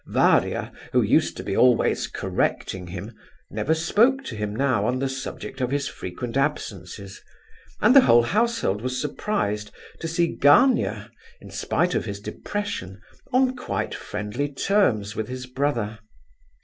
Varia, who used to be always correcting him, never spoke to him now on the subject of his frequent absences, and the whole household was surprised to see Gania, in spite of his depression, on quite friendly terms with his brother.